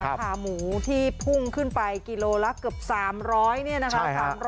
ขาหมูที่พุ่งขึ้นไปกิโลละเกือบ๓๐๐เนี่ยนะคะ